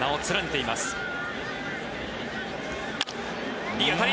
いい当たり。